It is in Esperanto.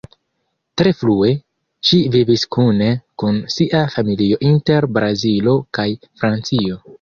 Tre frue, ŝi vivis kune kun sia familio inter Brazilo kaj Francio.